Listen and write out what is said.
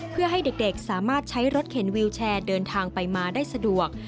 เพื่อให้เด็กสามารถใช้รถเข็นวิวแชร์เดินทางไปมาได้สะดวก